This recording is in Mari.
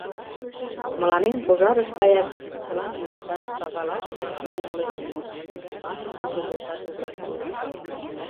— Мыланем пожарыш каяш чылам йӧраташ, пагалаш ӱжшӧ кумылем шӱдыш, — манын, тудо йолташыжлан вашештен.